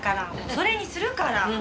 それにするから。